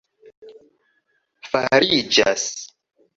fariĝas